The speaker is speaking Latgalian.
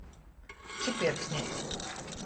Čipierkstneits.